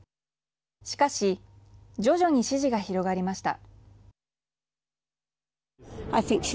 しかし徐々に支持が広がりました。